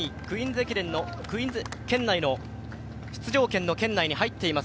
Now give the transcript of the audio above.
クイーンズ出場権の圏内に入っています。